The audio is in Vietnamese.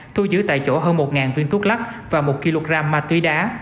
thu giữ tại chỗ hơn một viên thuốc lắc và một kg ma túy đá